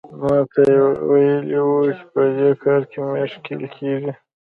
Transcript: ما تاته ویلي وو چې په دې کار کې مه ښکېل کېږه.